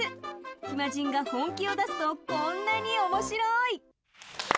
暇人が本気を出すとこんなに面白い！